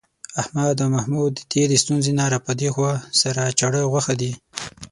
احمد او محمود د تېرې ستونزې نه را پدېخوا، سره چاړه غوښه دي.